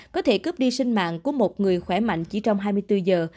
có thể cướp đi sinh mạng của một người khỏe mạnh chỉ trong hai mươi bốn giờ